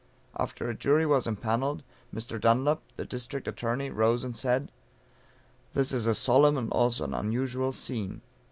After a jury was empannelled, Mr. Dunlap, the District Attorney, rose and said "This is a solemn, and also an unusual scene.